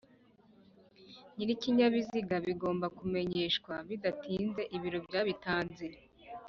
Nyir’ikinyabiziga bigomba kumenyeshwa bidatinze ibiro byabitanze.